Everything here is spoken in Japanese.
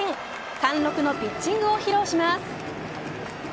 貫禄のピッチングを披露します。